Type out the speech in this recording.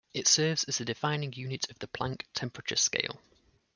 It serves as the defining unit of the Planck temperature scale.